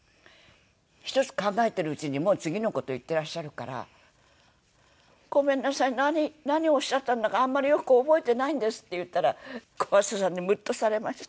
１つ考えてるうちにもう次の事言ってらっしゃるから「ごめんなさい何をおっしゃったんだかあんまりよく覚えてないんです」って言ったら小朝さんにムッとされました。